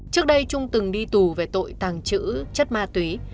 trước đây trung từng đi tù về tội tàng trữ chất ma túy